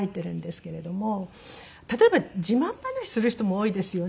例えば自慢話する人も多いですよね。